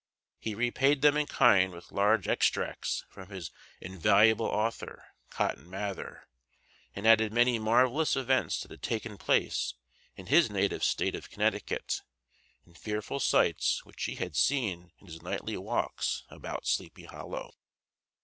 He repaid them in kind with large extracts from his invaluable author, Cotton Mather, and added many marvellous events that had taken place in his native state of Connecticut and fearful sights which he had seen in his nightly walks about Sleepy Hollow.